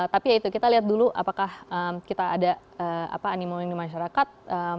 tapi ya itu kita lihat dulu apakah kita ada animoni di masyarakat